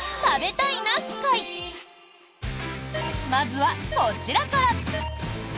まずは、こちらから。